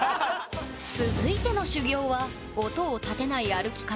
続いての修行は音を立てない歩き方。